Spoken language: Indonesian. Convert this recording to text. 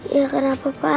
iya kenapa pa